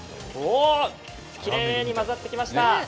きれいに混ざってきました。